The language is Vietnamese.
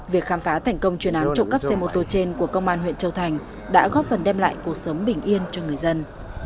việc khám phá thành công chuyên án trộm cắp xe mô tô trên của công an huyện châu thành đã góp phần đem lại cuộc sống bình yên cho người dân